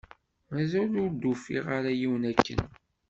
Mazal ur d-ufiɣ ara yiwen akken